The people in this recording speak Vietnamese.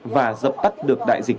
và dập tắt được đại dịch